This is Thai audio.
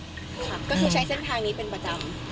ค่ะก็คือใช้เส้นทางนี้เป็นประจำ